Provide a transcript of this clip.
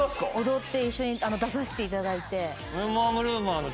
踊って一緒に出させていただいて。